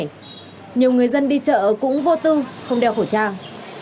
nhiều người dân đi chợ cũng vô tư không đeo khẩu trang